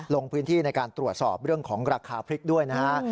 ลงพื้นที่ในการตรวจสอบเรื่องของราคาพริกด้วยนะฮะ